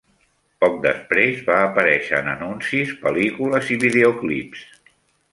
Poc després va aparèixer en anuncis, pel·lícules i videoclips.